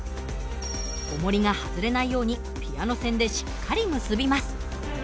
おもりが外れないようにピアノ線でしっかり結びます。